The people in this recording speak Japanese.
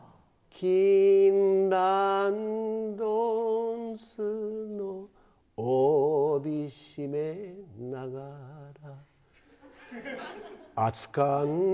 きんらんどんすの帯締めながら。